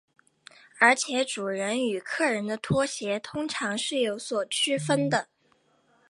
而且主人与客人的拖鞋通常是有所区分的。